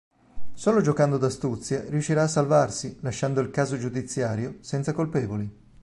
Solo giocando d'astuzia, riuscirà a salvarsi, lasciando il caso giudiziario senza colpevoli.